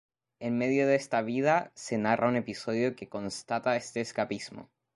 En medio de esta vida, se narra un episodio que constata este escapismo.